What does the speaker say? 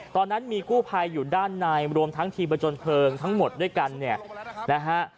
ตอนนั้นมีกู้ภัยอยู่ด้านในรวมทั้งทีมประจนเพลิงทั้งหมดด้วยกันเนี่ยนะฮะ